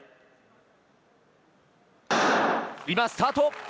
今、スタート。